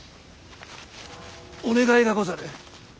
お願いがござる。